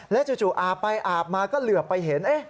จู่อาบไปอาบมาก็เหลือไปเห็น